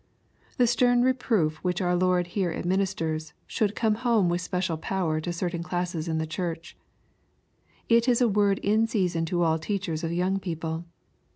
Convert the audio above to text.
The stern reproof which* our Lord here administers, should come home with special power to certain classes in the church. It is a word in season to all teachers of young people.